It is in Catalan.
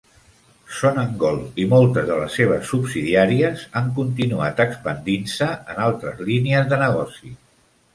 Sonangol i moltes de les seves subsidiàries han continuat expandint-se en altres línies de negoci.